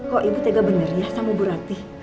kok ibu tega bener ya sama bu ratih